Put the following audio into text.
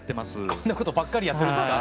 こんなことばっかりやってるんですか？